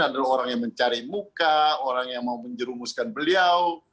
adalah orang yang mencari muka orang yang mau menjerumuskan beliau